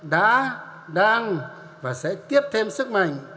đã đang và sẽ tiếp thêm sức mạnh